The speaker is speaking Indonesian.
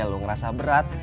lo ngerasa berat